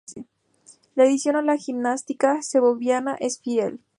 La afición de la Gimnástica Segoviana es fiel.